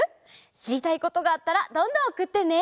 しりたいことがあったらどんどんおくってね！